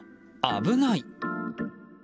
危ない。